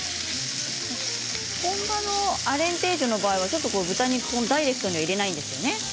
本場のアレンテージョの場合は豚肉をダイレクトに入れないんですね。